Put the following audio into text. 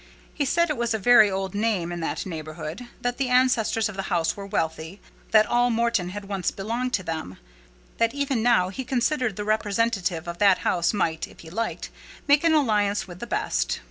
He said it was a very old name in that neighbourhood; that the ancestors of the house were wealthy; that all Morton had once belonged to them; that even now he considered the representative of that house might, if he liked, make an alliance with the best.